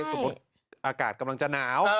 สมมุติอากาศกำลังจะหนาว